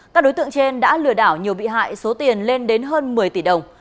các đối tượng trên đã lừa đảo nhiều bị hại số tiền lên đến hơn một mươi tỷ đồng